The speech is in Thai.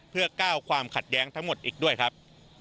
เพื่อก้าวความขัดแย้งทั้งหมดอีกด้วยครับ